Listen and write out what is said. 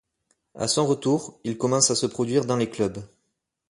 À son retour, il commence à se produire dans les clubs.